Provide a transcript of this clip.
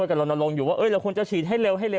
เราน้องโรงอยู่ว่าคุณจะฉีดให้เร็ว